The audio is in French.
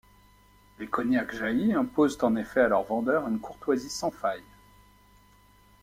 Les Cognacq-Jaÿ imposent en effet à leurs vendeurs une courtoisie sans faille.